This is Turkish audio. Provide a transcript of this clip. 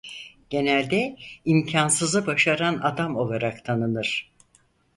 Genelde imkânsızı başaran adam olarak tanınır.